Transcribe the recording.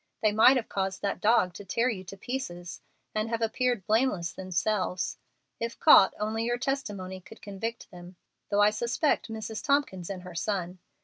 They might have caused that dog to tear you to pieces and have appeared blameless themselves. If caught, only your testimony could convict them, though I suspect Mrs. Tompkins and her son.